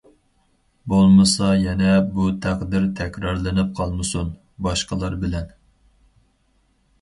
بولمىسا يەنە بۇ تەقدىر تەكرارلىنىپ قالمىسۇن باشقىلار بىلەن!